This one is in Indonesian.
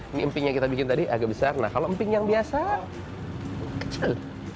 ini emping yang kita bikin tadi agak besar nah kalau emping yang biasa kecil